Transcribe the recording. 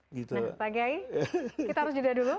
nah pak gai kita harus juda dulu